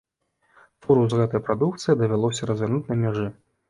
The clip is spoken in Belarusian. Фуру з гэтай прадукцыяй давялося развярнуць на мяжы.